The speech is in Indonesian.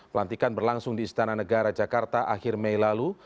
pelantikan berlangsung di istana negara jakarta akhir mei lalu